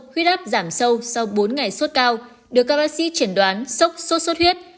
huyết áp giảm sâu sau bốn ngày suốt cao được các bác sĩ triển đoán sốc suốt huyết